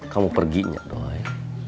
kamu pergi nyadoy